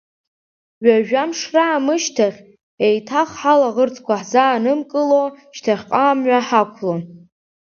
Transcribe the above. Ҩажәамш раамышьҭахь, еиҭах ҳалаӷырӡқәа ҳзаанымкыло шьҭахьҟа амҩа ҳақәлон.